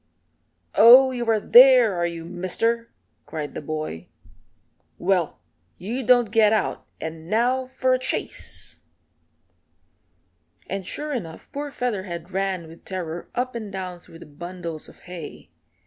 "Oh, you are there, are you, Mister?" cried the boy. "Well, you don't get out, and now for a chase." And sure enough poor Featherhead ran with terror up and down through the bundles of hay.